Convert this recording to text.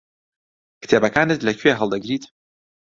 کتێبەکانت لەکوێ هەڵدەگریت؟